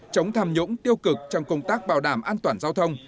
chống tham nhũng tiêu cực trong công tác bảo đảm an toàn giao thông